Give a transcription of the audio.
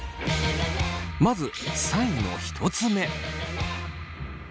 まず３位の１つ目。